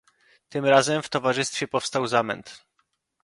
"Tym razem w towarzystwie powstał zamęt."